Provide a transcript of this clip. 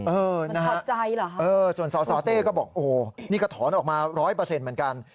เออนะฮะส่วนสสเต้ก็บอกโอ้นี่ก็ถอนออกมา๑๐๐เหมือนกัน